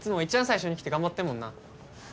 最初に来て頑張ってんもんな。